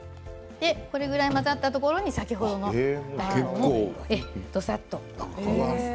混ざったところに先ほどの大根をどさっと入れます。